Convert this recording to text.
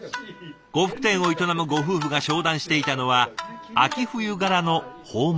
呉服店を営むご夫婦が商談していたのは秋冬柄の訪問着。